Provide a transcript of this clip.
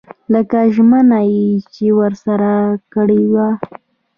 لکه ژمنه چې یې ورسره کړې وه.